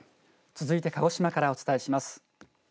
続いて鹿児島からお伝えします。